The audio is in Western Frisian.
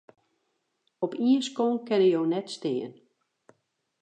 Op ien skonk kinne jo net stean.